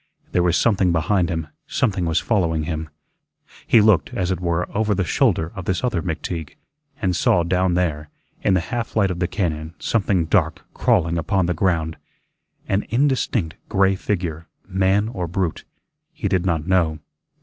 There was something behind him; something was following him. He looked, as it were, over the shoulder of this other McTeague, and saw down there, in the half light of the cañón, something dark crawling upon the ground, an indistinct gray figure, man or brute, he did not know.